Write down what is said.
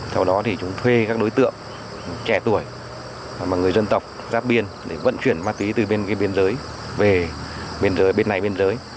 sau đó thì chúng thuê các đối tượng trẻ tuổi mà người dân tộc ráp biên để vận chuyển ma túy từ bên cái biên giới về biên giới bên này biên giới